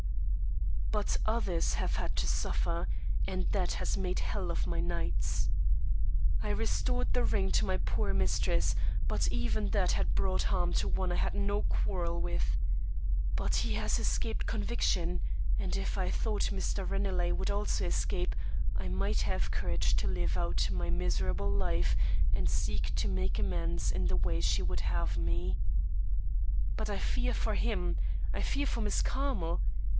But others have had to suffer, and that has made hell of my nights. I restored the ring to my poor mistress; but even that brought harm to one I had no quarrel with. But he has escaped conviction; and if I thought Mr. Ranelagh would also escape, I might have courage to live out my miserable life, and seek to make amends in the way she would have me. But I fear for him; I fear for Miss Carmel.